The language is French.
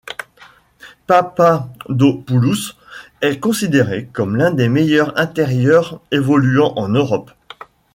Papadopoulos est considéré comme l’un des meilleurs intérieurs évoluant en Europe.